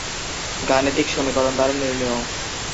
গাণিতিক সমীকরণ দ্বারা নির্ণেয়।